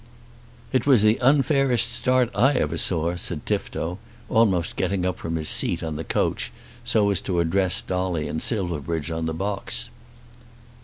"It was the unfairest start I ever saw," said Tifto, almost getting up from his seat on the coach so as to address Dolly and Silverbridge on the box.